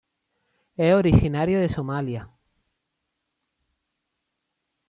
Es originario de Somalia.